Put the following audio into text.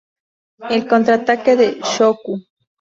El contraataque de Shohoku!